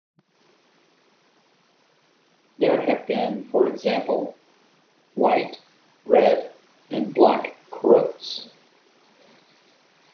There have been, for example, White, Red and Black Croats.